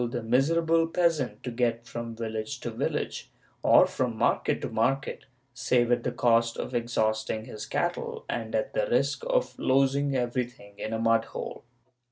II] THE MESTA— FORESTRY LAWS 481 miserable peasant to get from village to village, or from market to market, save at the cost of exhausting his cattle and at the risk of losing everything in a nuidhole.